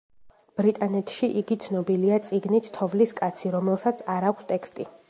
ბრიტანეთში იგი ცნობილია წიგნით „თოვლის კაცი“, რომელსაც არ აქვს ტექსტი.